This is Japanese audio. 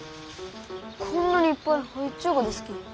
こんなにいっぱい生えちゅうがですき。